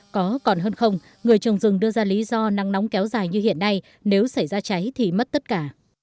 có còn hơn không người trồng rừng đưa ra lý do nắng nóng kéo dài như hiện nay nếu xảy ra cháy thì mất tất cả